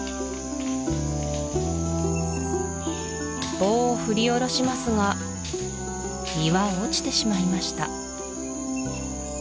棒を振り下ろしますが実は落ちてしまいました